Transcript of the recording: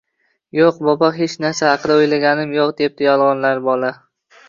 Yoʻq, bobo, hech narsa haqida oʻylaganim yoʻq, – deb yolgʻonladi bola.